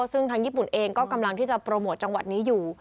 ซึ่งทางญี่ปุ่นเองก็กำลังที่จะโปรโมทจังหวัดนี้อยู่